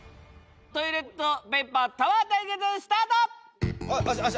トイレットペーパータワー対決スタート！